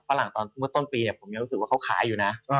ฝรั่งเมื่อต้นปีเนี่ยผมยังรู้สึกว่าเขาขายอยู่นะ